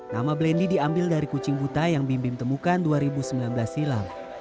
nama blendy diambil dari kucing buta yang bim bim temukan dua ribu sembilan belas silam